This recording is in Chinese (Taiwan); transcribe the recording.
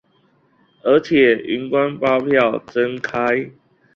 而且雲端發票增開